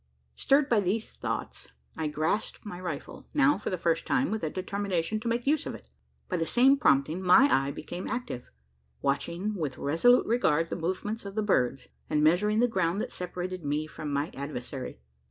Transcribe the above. Stirred by these thoughts, I grasped my rifle now for the first time with a determination to make use of it. By the same prompting, my eye became active watching with resolute regard the movements of the birds, and measuring the ground that separated me from my adversary.